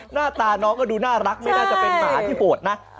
หน้าตาน้องก็ดูน่ารักไม่น่าจะเป็นหมาที่โหดนะ